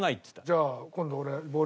じゃあ今度